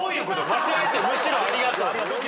間違えて「むしろありがとう」